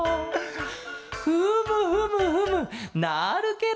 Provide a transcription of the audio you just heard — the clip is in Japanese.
フムフムフムなるケロ！